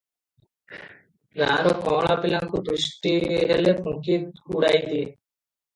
ଗାଁର କଅଁଳା ପିଲାଙ୍କୁ ଦୃଷ୍ଟିହେଲେ ଫୁଙ୍କି ଉଡ଼ାଇଦିଏ ।